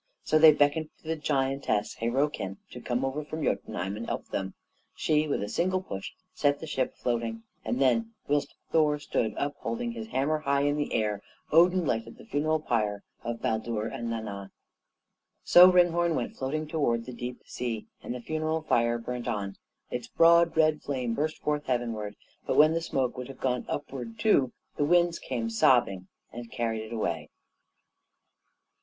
So they beckoned to the giantess Hyrrokin to come over from Jötunheim and help them. She, with a single push, set the ship floating, and then, whilst Thor stood up holding his hammer high in the air, Odin lighted the funeral pile of Baldur and of Nanna. So Ringhorn went floating towards the deep sea and the funeral fire burnt on. Its broad red flame burst forth heavenward, but when the smoke would have gone upward too, the winds came sobbing and carried it away.